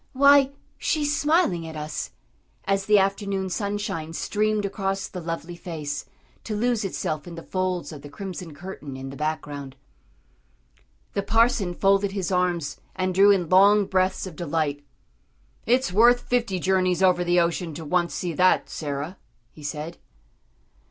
"Why, she's smiling at us," as the afternoon sunshine streamed across the lovely face, to lose itself in the folds of the crimson curtain in the background. The parson folded his arms and drew in long breaths of delight. "It's worth fifty journeys over the ocean to once see that, Sarah," he said.